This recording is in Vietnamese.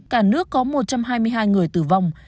cả nước có một trăm hai mươi hai người tử vong